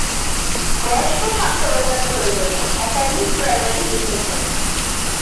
বয়স্ক সাক্ষরতার প্রয়োজনে একাধিক প্রাইমারি লিখেছেন।